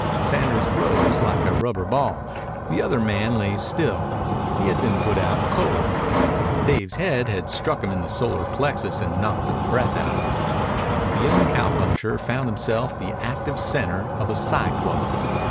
Sanders rose like a rubber ball. The other man lay still. He had been put out cold. Dave's head had struck him in the solar plexus and knocked the breath out of him. The young cowpuncher found himself the active center of a cyclone.